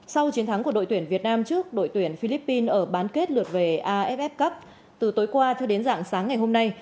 sau chiến thắng của đội tuyển việt nam trước đội tuyển philippines ở bán kết lượt về aff cup từ tối qua cho đến dạng sáng ngày hôm nay